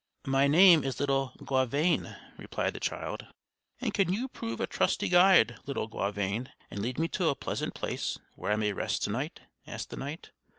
"My name is little Gauvain," replied the child. "And can you prove a trusty guide, little Gauvain, and lead me to a pleasant place where I may rest to night?" asked the knight.